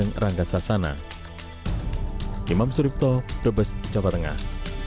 dan rangga sasana imam suripto the best jawa tengah